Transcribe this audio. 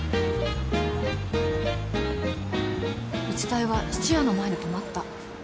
１対は質屋の前に止まった。